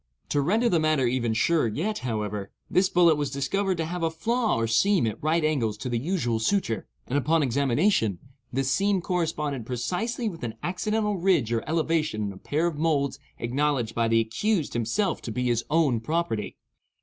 To render the matter even surer yet, however, this bullet was discovered to have a flaw or seam at right angles to the usual suture, and upon examination, this seam corresponded precisely with an accidental ridge or elevation in a pair of moulds acknowledged by the accused himself to be his own property.